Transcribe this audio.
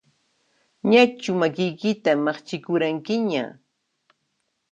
Ñachu makiykita maqchikuranqiña?